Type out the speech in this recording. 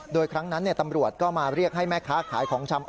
โดยครั้งนั้นตำรวจก็มาเรียกให้แม่ค้าขายของชำ